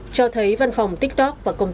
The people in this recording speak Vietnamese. cho thấy văn phòng tiktok và công ty